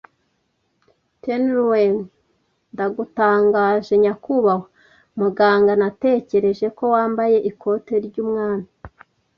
Trelawney, Ndagutangaje, nyakubahwa. Muganga, Natekereje ko wambaye ikote ry'umwami!